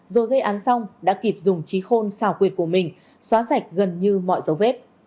rồi gây án xong đã kịp dùng trí khôn xào quyệt của mình xóa sạch gần như mọi dấu vết